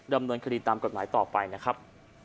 ดำเนินคดีตามกฎหมายต่อไปนะครับ